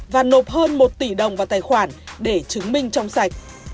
và nộp hơn một tỷ đồng vào tài khoản để chứng minh trong sạch